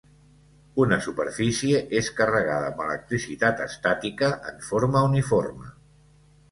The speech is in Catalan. Una superfície és carregada amb electricitat estàtica en forma uniforme.